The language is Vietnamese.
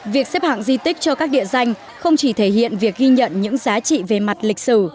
việc xếp hạng di tích cho các địa danh không chỉ thể hiện việc ghi nhận những giá trị về mặt lịch sử